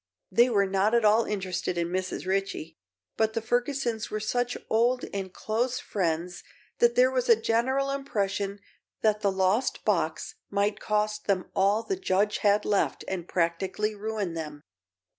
They were not at all interested in Mrs. Ritchie, but the Fergusons were such old and close friends that there was a general impression that the lost box might cost them all the judge had left and practically ruin them.